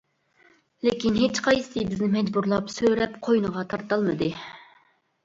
لېكىن ھېچقايسىسى بىزنى مەجبۇرلاپ، سۆرەپ قوينىغا تارتالمىدى.